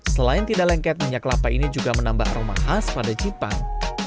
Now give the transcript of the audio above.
selain tidak lengket minyak kelapa ini juga menambah aroma khas pada jepang